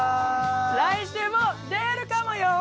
来週も出るかもよ。